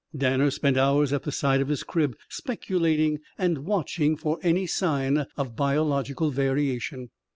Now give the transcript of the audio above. Danner spent hours at the side of his crib speculating and watching for any sign of biological variation.